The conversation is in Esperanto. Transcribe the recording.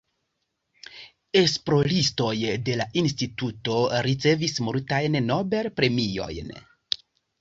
Esploristoj de la Instituto ricevis multajn Nobel-premiojn.